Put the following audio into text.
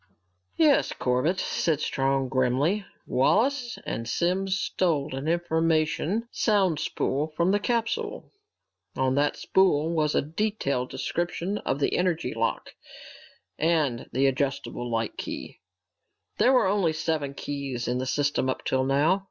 "Yes, Corbett," said Strong grimly. "Wallace and Simms stole an information sound spool from the capsule. On that spool was a detailed description of the energy lock and the adjustable light key. There were only seven keys in the system up to now.